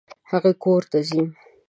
هغوی کور ته ځي.